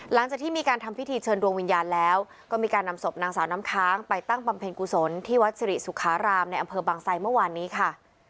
หลังจากที่มีการทำพิธีเชิญดวงวิญญาณแล้วก็มีการนำศพนางสาวน้ำค้างไปตั้งบำเพ็ญกุศลที่วัดสิริสุขารามในอำเภอบางไซเมื่อวานนี้ค่ะ